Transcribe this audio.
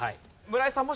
村井さん